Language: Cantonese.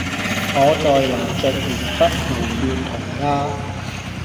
我在拿著鉛筆胡亂塗鴉